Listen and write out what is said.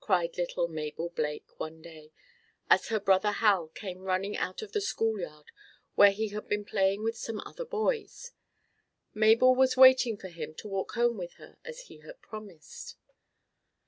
cried little Mabel Blake, one day, as her brother Hal came running out of the school yard, where he had been playing with some other boys. Mabel was waiting for him to walk home with her as he had promised.